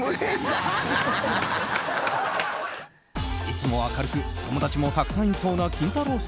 いつも明るく友達もたくさんいそうなキンタロー。